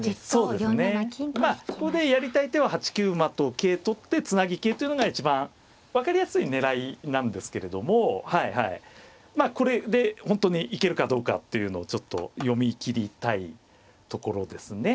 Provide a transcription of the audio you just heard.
ここでやりたい手は８九馬と桂取ってつなぎ桂というのが一番分かりやすい狙いなんですけれどもまあこれで本当に行けるかどうかっていうのをちょっと読みきりたいところですね。